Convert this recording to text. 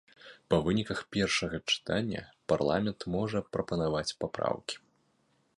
Па выніках першага чытання парламент можа прапанаваць папраўкі.